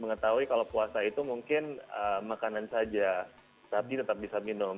mengetahui kalau puasa itu mungkin makanan saja tapi tetap bisa minum